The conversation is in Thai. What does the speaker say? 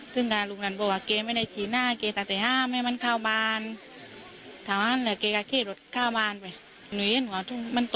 เก๊กที่ทำปวดนายเท่นั้น